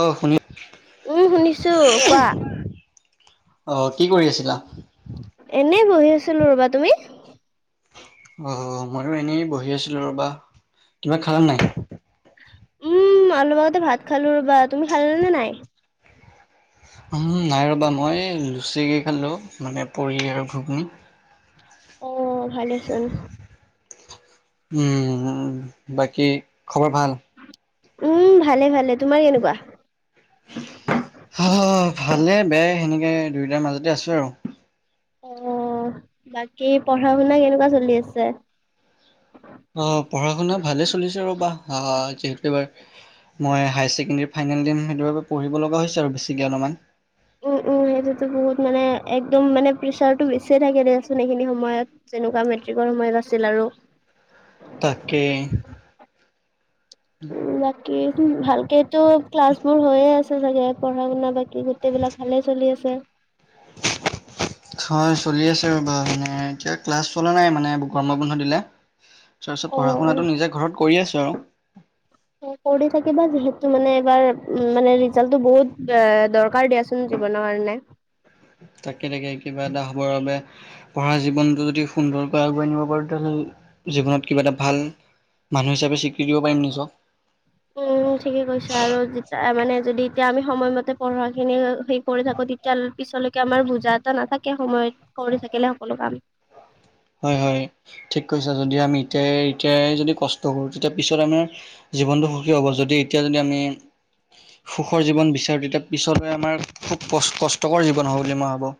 অ', শুন উম শুনিছো কোৱা [unintelligible] অ কি কৰি আছিলা? এনেই বহি আছিলো ৰবা তুমি? অ মইো এনেই বহি আছিলো ৰ'বা কিবা খালা নাই? উম অলপ আগতে ভাত খালো ৰবা তুমি খালে নে নাই? নাই ৰ'বা মই লুচিকেই খালোঁ মানে পৰি আৰু ঘূগুনী। অ ভালে চোন। উম বাকী খবৰ ভাল? উম ভালে ভালে। তোমাৰ কেনেকুৱা? অ' ভালে বেয়াই সেনেকে দুয়োটাৰ মাজতে আছো আৰু। অ' বাকী পঢ়া শুনা কেনেকুৱা চলি আছে? অ' পঢ়া শুনা ভালে চলিছে ৰ'বা অ' যিহেতু এইবাৰ মই হায়াৰ ছেকেণ্ডেৰী ফাইনেল দিম, সেইটোৰ বাবে পঢ়িব লগা হৈছে আৰু বেছিকৈ অলপমান। উম উম সেইটোতো বহুত মানে একদম মানে প্ৰেছাৰটো বেছিয়ে থাকে দিয়াচোন এইখিনি সময়ত। তেনেকুৱা মেট্ৰিকৰ সময়ত আছিল আৰু। তাকে। উ বাকী ভালকে তো ক্লাছ বোৰ হৈয়ে আছে চাগে, পঢ়া শুনা বাকী গোটেইবিলাক ভালে চলি আছে? হয় চলি আছে ৰ'বা মানে এতিয়া ক্লাছ চলা নাই মানে গৰমৰ বন্ধ দিলে। তাৰপিছত অ পঢ়া অ শুনাটো নিজে ঘৰত কৰি আছো আৰু। কৰি থাকিব যিহেতু মানে এবাৰ মানে ৰিজাল্টো বহুত দৰকাৰ দিয়াচোন। জীৱনৰ কাৰণে তাকে তাকে কিবা এটা হবৰ বাবে পঢ়া জীৱনটো যদি সুন্দৰকৈ আগুৱাই নিব পাৰো, তেতিয়াহলে জীৱনত কিবা এটা ভাল মানুহ হিচাপ স্বীকৃতি দিব পাৰিম নিজক। উম ঠিকেই কৈছা, আৰু যেতিয়া মানে যদি এতিয়া আমি সময়মতে পঢ়াখিনি হে কৰি থাকো তেতিয় পিছলৈকে আমাৰ বোজা এটা নাথাকে সময়ত কৰি থাকিলে সকলো কাম। হয় হয় ঠিক কৈছা। যদি আমি এতিয়া এতিয়াই যদি কষ্ট কৰো তেতিয়া পিছত আমাৰ জীৱনটো সুখী হ'ব। যদি এতিয়া যদি আমি সুখৰ জীৱন বিচাৰোঁ, তেতিয়া পিছলৈ আমাৰ খুব ক কষ্টকৰ জীৱন হ'ব বুলি মই ভাবোঁ।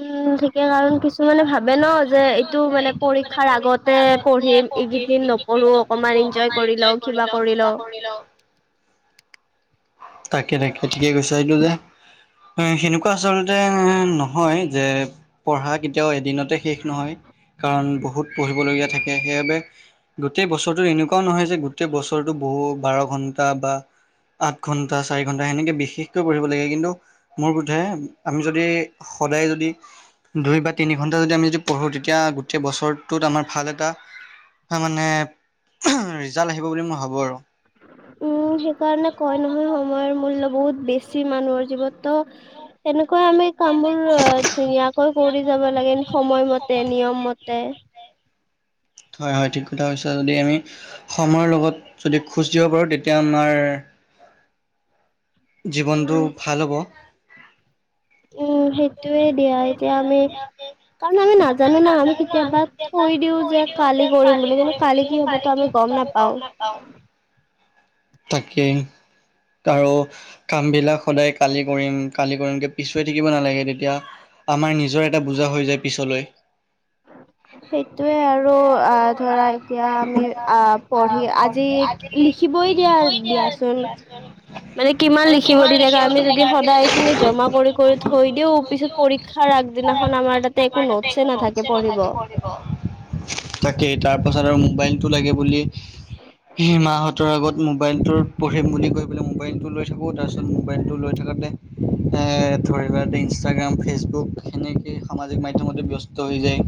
উম ঠিকে, কাৰণ কিছুমানে ভাবে ন। যে এইটো মানে পৰীক্ষাৰ আগতে পঢ়িম এইকেইদিন নপঢ়ো অকমান এঞ্জয় কৰি লওঁ কিবা কৰিলওঁ। লওঁ। তাকে তাকে কৈছা, এইটো যে সেনেকুৱা আচলতে নহয় যে পঢ়া কেতিয়াওঁ এদিনতে শেষ নহয়। কাৰণ বহুত পঢ়িবলগীয়া থাকে। সেইবাবে গোটেই বছৰটো এনেকুৱাও নহয় যে গোটেই বছৰটো বহু বাৰ ঘন্টা বা আঠ ঘণ্টা চাৰি ঘন্টা সেনেকে বিশেষকৈ পঢ়িব লাগে। কিন্তু মোৰ বোধে আমি যদি সদায় যদি দুই বা তিনি ঘন্টা যদি আমি যদি পঢ়ো তে এতিয়া গোটেই বছৰটোত আমাৰ ভাল এটা হয় মানে, ৰিজাল্ট আহিব বুলি মই ভাবো আৰু। উম সেইকাৰণে ক'য় নহয় সময়ৰ মূল্য বহুত বেছি মানুহৰ জীৱনতোত। সনেকুৱা আমি কামবোৰ অ' ধুনীয়াকৈ কৰি যাব লাগে সময় মতে নিয়ম মতে। হয়, হয়, ঠিক কথা কৈছা, যদি আমি সময়ৰ লগত যদি খোজ দিব পাৰোঁ তেতিয়া আমাৰ জীৱনটো উম, ভাল হ'ব। উম সেইটোয়ে দিয়া, এতিয়া আমি কাৰণ আমি নাজানো ন, আমি কেতিয়াবা থৈ দিও যে কালি কৰিম বুলি, কিন্তু কালি কি হ'ব তো আমি গ'ম নাপাওঁ। তাকেই, আৰু কাম বিলাক সদায় কালি কৰিম, কালি কৰিমকৈ পিছুৱাই থাকিব নালাগে, তেতিয়া আমাৰ নিজৰ এটা বোজা হৈ যায় পিছলৈ! [inaudible] সেইটোয়ে আৰু, আ ধৰা এতিয়া আমি আহ পঢ়ি আজি লিখিবই দিয়া দিয়াচোন। মানে কিমান লিখিব দি থাকে, আমি যদি সদায় এই খিনি জমা কৰি কৰি থৈ দিওঁ, পিছত পৰীক্ষা ৰ আগ দিনাখন আমাৰ একো নোটছে নাথাকে। তাকেই, তাৰ পঢ়িব। পাছত আৰু মোবাইলটো লাগে বুলি সেই মাহতৰ আগত, মোবাইলটোত পঢ়িম বুলি কৈ পেলাই, মোবাইলটো লৈ থাকোঁ! তাৰপিছত মোবাইলটো লৈ থাকোঁতে এ ধৰি লোৱা, ইনষ্টাগ্ৰাম, ফেচবুক সেনেকে সামাজিক মাধ্যমতে ব্যস্ত হৈ যায়!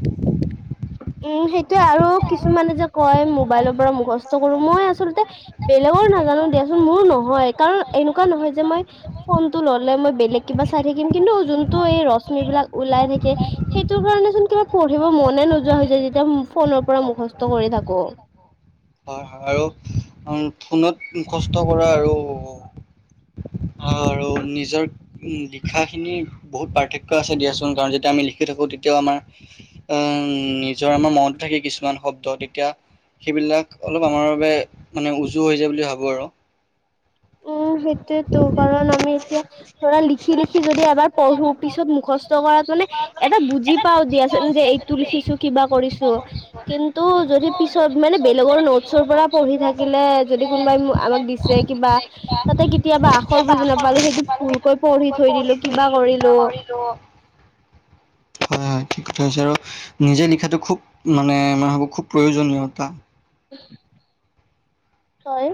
উম, সেইটোৱে আৰু কিছুমানে যে কয়, মোবাইলৰ পৰা মুখস্থ কৰো! মই আচলতে, বেলেগৰ নাজানো দিয়াচোন! মোৰো নহয় কাৰণ, এনেকুৱা নহয় যে মই ফোনটো ল'লে মই বেলেগ কিবা চাই থাকিম, কিন্তু যোনটো এই ৰশ্মি বিলাক ওলাই থাকে সেইটোৰ কাৰণে, চোন কিবা পঢ়িব মনে নোযোৱা হৈছে যেতিয়া ফোনৰ পৰা মুখস্থ কৰি থাকো! হয়, হয় আৰু ফোনত কষ্ট কৰা আৰু আৰু নিজৰ, উম, লিখাখিনি বহুত পাৰ্থক্য আছে, দিয়াচোন কাৰণ যেতিয়া আমি লিখি থাকোঁ! তেতিয়াও আমাৰ উমা, নিজৰ আমাৰ মনতে থাকে কিছুমান শব্দ তেতিয়া, সেইবিলাক অলপ আমাৰ বাবে মানে উজু হৈছেবুলি ভাবো, আৰু উম, সেইটোয়েতো কাৰণ আমি এতিয়া, ধৰা লিখি লিখি যদি এবাৰ পঢ়ো, পিছত মুখস্থ কৰাত মানে, এটা বুজি পাও দিয়াচোন যে, এইটো লিখিছো কিবা কৰিছো! কিন্তু, যদি পিছত মানে বেলেগৰ নোটছৰ পৰা পঢ়ি থাকিলে! যদি কোনোবাই আমাক দি যে, কিবা তাতে কেতিয়াবা আখৰ বুজি নাপালো, সেইটো ভুলকৈ পঢ়ি থৈ দিলো কিবা কৰিলো [unintelligible] হয়, হয়, ঠিক কথা হৈছে আৰু নিজে লিখাটো খুব মানে, মই ভাবোঁ খুব প্ৰয়োজনীয়তা হয়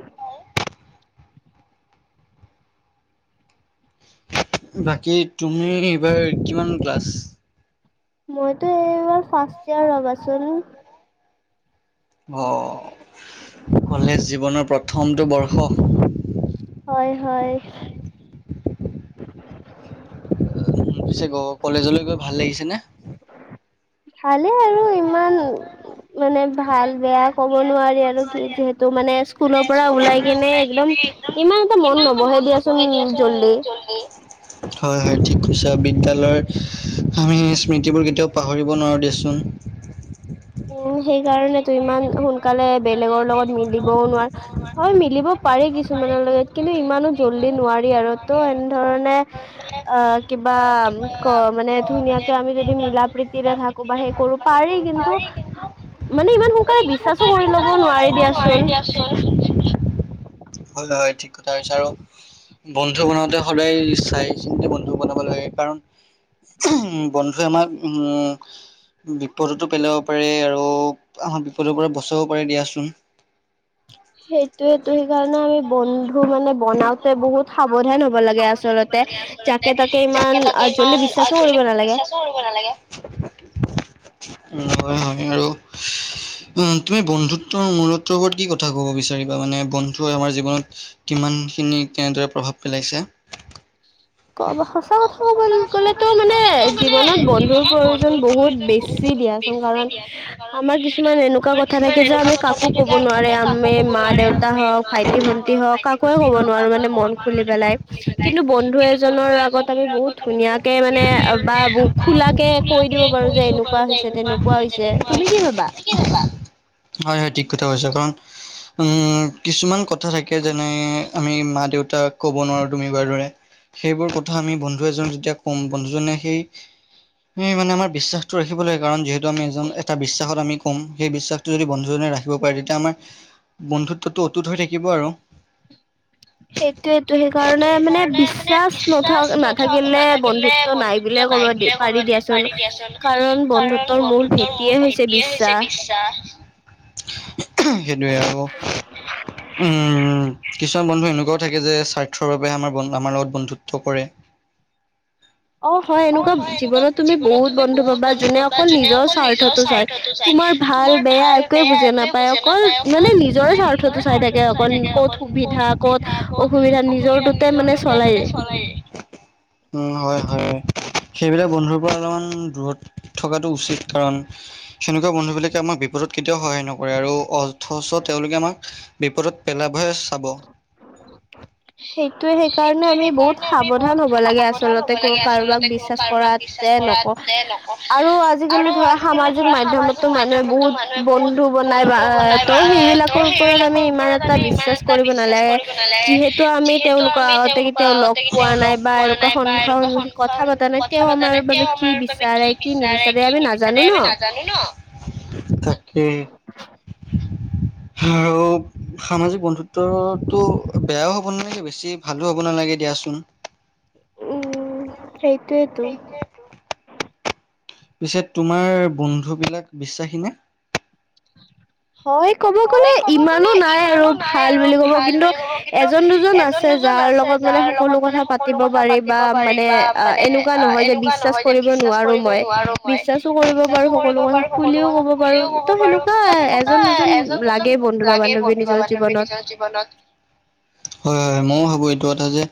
বাকী, তুমি এইবাৰ কিমান ক্লাছ! মইতো এইবাৰ ফাৰ্ষ্ট ইয়াৰ ৰ'বাচোন, অ, কলেজ জীৱনৰ প্ৰথমটো বৰ্ষ! হয়, হয় পিছে গ, কলেজলৈ গৈ ভাল লাগিছেনে! ভালে আৰু ইমান, মানে, ভাল -বেয়া ক'ব নোৱাৰি, আৰু কি, যিহেতু মানে স্কুলৰ পৰা ওলাই! কেনে একদম ইমান এটা মন নবহে দিয়াচোন, জ্বলেই হয়, হয়, ঠিক কৈছা বিদ্যালয়ৰ আমি স্মৃতিবোৰ কেতিয়াও পাহৰিব নোৱাৰোঁ দিয়চোন! উম, সেই কাৰণে তু, ইমান সোনকালে বেলেগৰ লগত মিলিবও নোৱাৰ! হয় মিলিব পাৰি কিছুমানৰ লগত, কিন্তু ইমানো জল্দি নোৱাৰি আৰু তো এনেধৰণে' অ কিবা ক মানে, ধুনীয়াকে আমি যদি মিলা প্ৰীতিৰে থাকো, [unintelligible] পাৰি কিন্তু মানে ইমান সোনকালে বিশ্বাসো কৰি ল'ব নোৱাৰোঁ কব নোৱাৰি, দিয়াচোন [inaudible] হয়, হয়, ঠিক কথা কৈছা আৰু বন্ধু বনাওঁতে সদায়, চাই চিন্তি বন্ধু বনাব লাগে, কাৰণ- উম, বন্ধুৱে আমাৰ উম, বিপদতো পেলাব পাৰে আৰু আমাক বিপদৰ পৰা বচাবও পাৰে দিয়াচোন সেইটোয়েতো সেইকাৰণে আমি বন্ধু মানে বনাওতে বহুত সাৱধান হব লাগে আচলতে তাকে তাকে ইমান আ, জল্দি বিশ্বাসো কৰিব নালাগে কৰিব নালাগে উম, 'হয়', 'হয়' আৰু উম, তুমি বন্ধুত্ব তৰ মোৰত্ব ওপৰত কি কথা ক'ব বিচাৰিবা মানে বন্ধুৱে আমাৰ জীৱনত কিমানখিনি কেনেদৰে প্ৰভাৱ পেলাইছে? কব সঁচা কথা কব গলেতো মানে জীৱনত বন্ধুৰ প্ৰয়োজন বহুত বেছ ছি দিয়াচোন কাৰণ আমাৰ কিছুমান এনেকুৱা কথা থাকে যে আমি কা কাকো ক'ব নোৱাৰে আমি মা দেউতা হওক ভাইটি ভন্টি হওক কাকোৱেই ক'ব নোৱাৰো মানে মন খুলি পেলাই কিন্তু বন্ধু এ জনৰ আগত আমি বহুত ধুনীয়াকে মানে বা বহু খোলাকে কৈ দিব পাৰো যে এনেকুৱা হৈছে তেনেকু কোৱা হৈছে তুমি কি ভাবা? কি ভাবা? 'হয়'-'হয়' ঠিক কথা কৈছ কাৰণ উম, কিছুমান কথ থা থাকে যেনে আমি মা দেউতাক ক'ব নোৱাৰো তুমি বাৰু ৰৰে সেইবোৰ কথা আমি বন্ধু এজন যেতিয়া কম বন্ধুজনে সেই সেই মানে আমাৰ বিশ্বাসটো ৰাখিব লাগে কাৰণ যিহেতু আমি এজন এটা বিশ্বাসত আমি কম সেই বিশ্বাসতটো যদি বন্ধুজনে ৰাখে ব পাৰে তেতিয়া আমাৰ বন্ধুত্বো অতুত হৈ থাকিব আৰু [inaudible] সেইটোয়েতটো সেইকাৰণে মানে বিশ্বাস নথ-নাথাকিলে বন্ধুত্ব নাই বুলিয়ে ক'ব দি পাৰি দিয়াচোন কাৰণ বন্ধুত্বৰ মূল ভেটিয়ে হৈছে বিশ্বাস সেইটোৱেই আকৌ উম, কিছুমান বন্ধু এনেকুৱাও থাকে যে স্বাৰ্থৰ বাবে আমাৰ বন আমাৰ লগত বন্ধুত্ব কৰে অ', হয় এনেকুৱা জীৱনত তুমি বহুত বন্ধু বা যোনে অকল নিজৰ স্বাৰ্থতো চাই তোমাৰ ভাল বেয়া একো হে বুজে নাপায় অকল মানে নিজৰে স্বাৰ্থতটো চাই থাকে অকল কত সুবিধা ক'ত অসুবিধা নিজৰটোতে মানে চলায়েই উম, 'হয়'-'হয়' সেইবিলাক বন্ধুৰ পৰা অলপমান দূৰত থকাতটো উচিত কাৰণ সেনেকুৱা বন্ধু বিলাকে আমাক বিপদত কেতিয়াও সহায় নকৰে আৰু অ থচ তেওঁলোকে আমাক বিপদত পেলাবহে চাব সেইটোয়ে সেইকাৰণে সেইটোয়েই আমি সেই বহুত কাৰণে আমি সাৱধান বহুত হ'ব লাগে সাৱধান আচলতে হব কোনো লাগে কাৰোবাক আচলতে বিশ্বাস ক-কাৰোবাক বিশ্বাস কৰাতে নক কৰাতে নক, আৰু আজিকালি আৰু ধৰা আজিকালি সামাজিক ধৰা মাধ্যমতো সামাজিক মানুহে মাধ্যমটো বহুত মানুহে বহুত বন্ধু বনাই বা বন্ধু বনাই ত' বা সেইবিলাকৰ ত' ওপৰত আমি সেইবিলাকৰ ইমান ওপৰত এটা আমি ইমান বিশ্বাস এটা কৰিব বিশ্বাস নালাগে কৰিব নালাগে যিহেতু আমি যিহেতু তেওঁলোকৰ আমি আগতে তেওঁওলোকক কেতিয়াও লগ আগতে পোৱা কেতিয়াও নাই লগ বা পোৱা এনেকুৱা নাই বা সন্মুখা এনেকুৱা সন্মুখী কথা পতা সন্মোখা-সন্মুখত নাই কথা তেওঁ পতা আমাৰ নাই বাবে তেওঁ কি আমাৰ বাবে বিচাৰে কি বিচাৰে নিবিচাৰে কি আমি নাজানো নিবিচাৰে ন আমি নাজানো ন' তা উম', আৰু সামাজিক বন্ধুত্বতটো বেয়াও হ'ব নালাগে বেছি ভালো হ'ব নালাগে দিয়াচোন সেইটোৱেই টো পিছে তোমাৰ বন্ধু বিলাক বিশ্বাসী নে? হয় ক'ব গ'লে ইমানো নাই আৰু ভাল বুলি ক'ব কিন্তু এজন দুজন আছে যাৰ লগত মানে সকলো কথা পাতিব পাৰি বা মানে আ, এনেকুৱা নহয় যে বিশ্বাস কৰিব নোৱাৰো মই বিশ্বাসো কৰিব পাৰো সকলো কথা খুলিও কব পাৰো ত' সেনেকুৱা এজন দুজ জন লাগে বন্ধু বা বান্ধৱী নিজৰ জীৱনত বনত 'হয়'-'হয়' ময়ো ভাবো এইটো কথা যে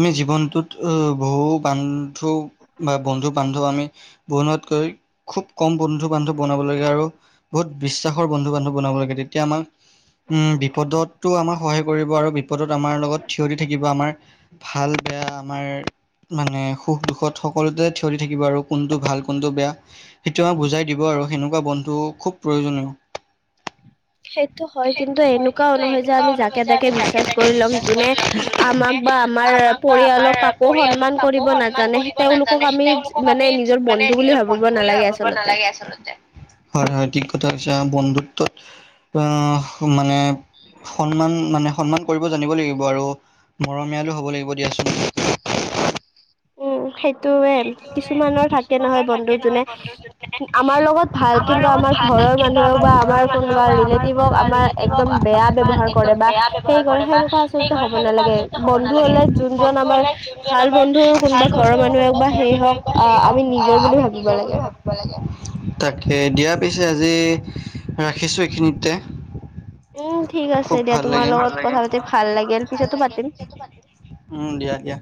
আমি জীৱনটোত বহু বান্ধৱ বা বন্ধু-বান্ধৱ আমি বনোৱাতকৈ খুব কম বন্ধু-বান্ধৱ বনাব লাগে আৰু বহুত বিশ্বাসৰ বন্ধু-বান্ধৱ বনাব লাগে তেতিয়া আমাক উম, বিপদতো আমাৰ সহায় কৰিব আৰু বিপদত আমাৰ লগত থিয় দি থাকিব আমাৰ ভাল-বেয়া আমাৰ মানে সুখ-দুখত সকলোতে থিয় দি থাকিব আৰু কোনটো ভাল কোনটো বেয়া সেইটোয়া আমাক বুজাই দিব আৰু সেনেকুৱা বন্ধু খুব প্ৰয়োজনীয়। সে টো হয় কিন্তু এনেকুৱাও নহয় যে আমি যাকে-তাকে বিশ্বাস কৰি লম যোনে আমাক বা আমাৰ পৰিয়ালক কাকো সন্মান কৰিব নাজানে তেওঁলোকক আমি মানে নিজৰ বন্ধু বুলি ভাবিব নালাগে আ হয়, হয়, ঠিক কৈছা বন্ধুত্বত অ মানে সন্মান মানে সন্মান কৰিব জানিব লাগিব আৰু মৰমীয়ালো হ'ব লাগিব দিয়াচোন। উম, সেই তোৱে কিছুমানৰ থাকে নহয় বন্ধু যোনে আমাৰ লগত ভাল, কিন্তু আমাৰ ঘৰৰ মানুহক বা আমাৰ কোনোবা ৰিলেটিভক আমাৰ একদম বেয়া ব্যৱহাৰ কৰে বা সে কৰে সেনেকুৱা আচলতে হ'ব নালাগে বন্ধু হ'লে যোনজন আমাৰ ভাল বন্ধুৰ কোনোবা ঘৰৰ মানুহে হওক বা ঘৰৰ সেই হওক মানুহে বা সেই আহ আমি হওক নিজৰ আহ বুলি আমি ভাবিব নিজৰ লাগে বুলি ভা লাগে, তাকে দিয়া পিছে আজি ৰাখিছোঁ এইখিনিতে। উম, ঠিক খুব আছে দিয়া ভাল তোমাৰ লাগিল। লগত কথা পাতি ভাল লাগিল পিছতো পাতিম। উম, দিয়া দিয়া।